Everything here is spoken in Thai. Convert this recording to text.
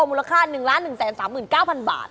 มูลค่า๑๑๓๙๐๐บาท